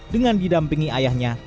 dengan didampingi ayahnya